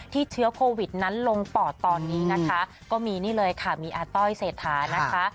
เชื้อโควิดนั้นลงปอดตอนนี้นะคะก็มีนี่เลยค่ะมีอาต้อยเศรษฐานะคะ